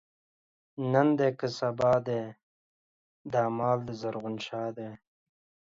نن دی که سبا دی، دا مال دَ زرغون شاه دی